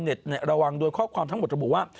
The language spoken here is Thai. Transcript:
ระวังโดยข้อความทั้งหมดระบุว่า